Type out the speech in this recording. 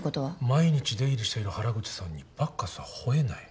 毎日出入りしている原口さんにバッカスは吠えない。